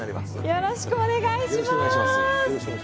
よろしくお願いします。